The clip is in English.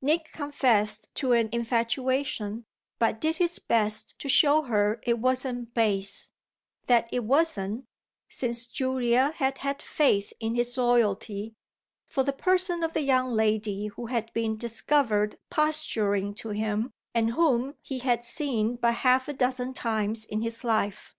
Nick confessed to an infatuation, but did his best to show her it wasn't base; that it wasn't since Julia had had faith in his loyalty for the person of the young lady who had been discovered posturing to him and whom he had seen but half a dozen times in his life.